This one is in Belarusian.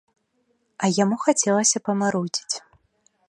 А яму хацелася памарудзіць.